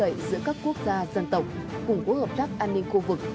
nhân cậy giữa các quốc gia dân tộc củng cố hợp tác an ninh khu vực